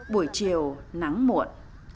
buổi chiều nắng muộn